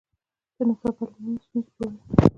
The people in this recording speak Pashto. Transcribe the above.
د نصاب بدلونونه ستونزې جوړوي.